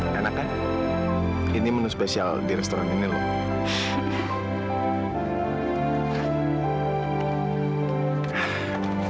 dan kak ini menu spesial di restoran ini loh